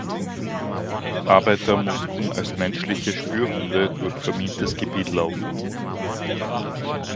Arbeiter mussten als menschliche Spürhunde durch vermintes Gebiet laufen.